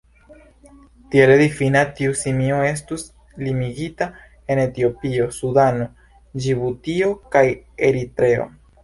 Tiele difinita, tiu simio estus limigita al Etiopio, Sudano, Ĝibutio kaj Eritreo.